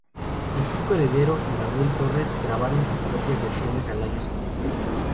Francisco Heredero y Manuel Torres grabaron sus propias versiones al año siguiente.